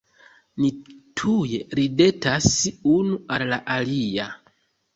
Ni tuj ridetas unu al la alia.